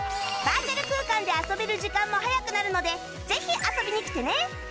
バーチャル空間で遊べる時間も早くなるのでぜひ遊びに来てね！